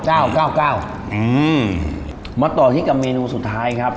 อืมมาต่อที่กับเมนูสุดท้ายครับ